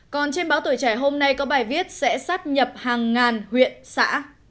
còn trên báo tuổi trẻ hôm nay có bài viết sẽ sát nhập hàng ngàn huyện xã